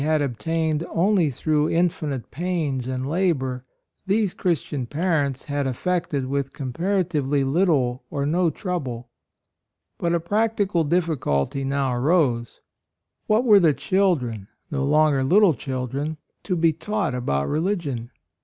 35 had obtained only through in finite pains and labor, these Christian parents had effected with comparatively little or no trouble. But a practical difficulty now arose. What were the children, no longer little children, to be taught about religion?